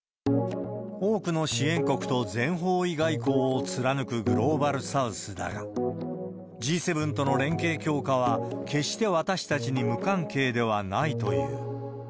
多くの支援国と全方位外交を貫くグローバルサウスだが、Ｇ７との連携強化は、決して私たちに無関係ではないという。